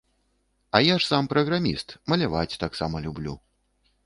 А я ж сам праграміст, маляваць таксама люблю.